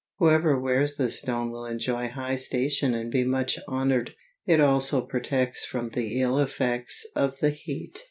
Whoever wears this stone will enjoy high station and be much honored; it also protects from the ill effects of the heat.